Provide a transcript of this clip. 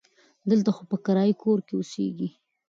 دلته خو په کرایي کور کې اوسیږي.